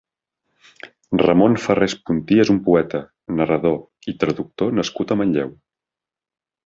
Ramon Farrés Puntí és un poeta, narrador i traductor nascut a Manlleu.